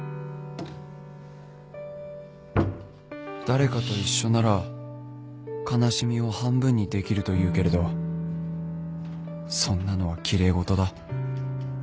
誰かと一緒なら悲しみを半分にできるというけれどそんなのは奇麗事だ